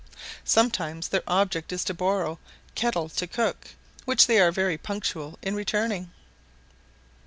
Sometimes their object is to borrow "kettle to cook," which they are very punctual in returning.